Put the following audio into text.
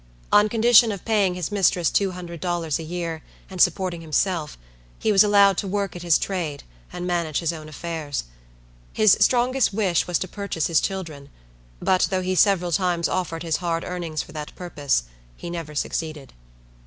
On condition of paying his mistress two hundred dollars a year, and supporting himself, he was allowed to work at his trade, and manage his own affairs. His strongest wish was to purchase his children; but, though he several times offered his hard earnings for that purpose, he never succeeded.